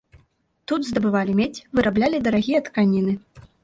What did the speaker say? Тут здабывалі медзь, выраблялі дарагія тканіны.